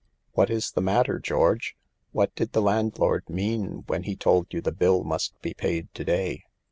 " What is the matter, George ? What did the landlord mean when he told you the bill must be paid to day?